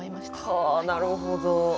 はあなるほど。